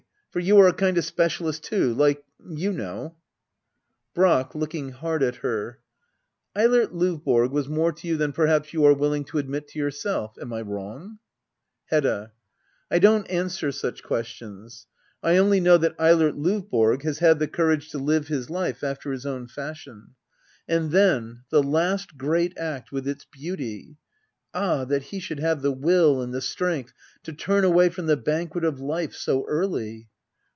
For you are a kind of specialist too, like — you know ! Brack. [Looking hard at her.] Eilert Lovborg was more to you than perhaps you are willing to admit to yourself. Am I wrong } Hedda. I don't answer such questions. I only know that Eilert Lovborg has had the courage to live his life after his own fashion. And then — the last great act, with its beauty ! Ah I that he should have the will and the strength to turn away from the banquet of life — so early.